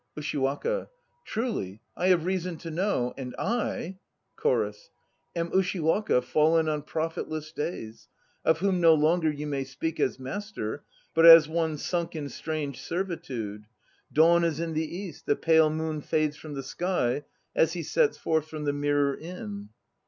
USHIWAKA. Truly I have reason to know. ... And / CHORUS. Am Ushiwaka fallen on profitless days. Of whom no longer you may speak As master, but as one sunk in strange servitude. Dawn is in the east; the pale moon fades from the sky, as he sets forth from the Mirror Inn.